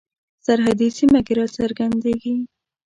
سرحدي سیمه کې را څرګندیږي.